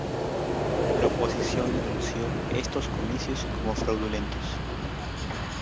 La oposición denunció estos comicios como fraudulentos.